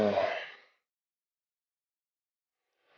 anak mama cantik banget